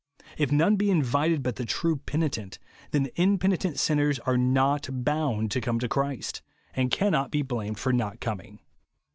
If none be invited but the true penitent, then impenitent sin ners are not hound to come to Christ ; and cannot be blamed for not coming."